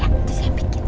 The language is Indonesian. ya itu saya pikir